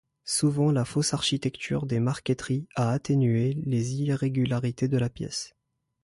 Souvent la fausse architecture des marqueteries a atténué les irrégularités de la pièce.